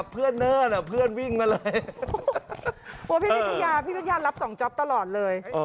พี่วิทยาพี่วิทยารับ๒จอบตลอดเลย